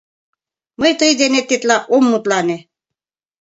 Мый тый денет тетла ом мутлане.